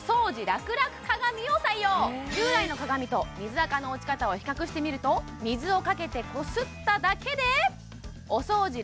ラクラク鏡を採用従来の鏡と水垢の落ち方を比較してみると水をかけてこすっただけでお掃除